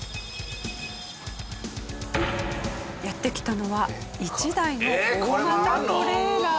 やって来たのは１台の大型トレーラー。